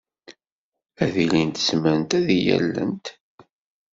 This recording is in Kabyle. Ad ilint zemrent ad iyi-allent.